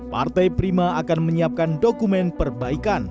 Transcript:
partai prima akan menyiapkan dokumen perbaikan